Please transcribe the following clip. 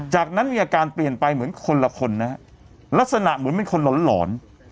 จากนั้นมีอาการเปลี่ยนไปเหมือนคนละคนนะฮะลักษณะเหมือนเป็นคนหลอนหลอน